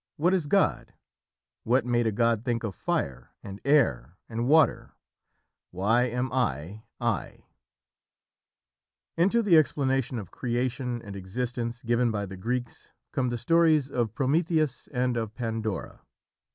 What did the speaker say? "What is God?" "What made a God think of fire and air and water?" "Why am I, I?" Into the explanation of creation and existence given by the Greeks come the stories of Prometheus and of Pandora.